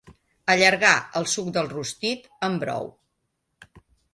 Allargar el suc del rostit amb brou.